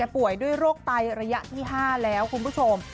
ป่วยด้วยโรคไตระยะที่๕แล้วคุณผู้ชม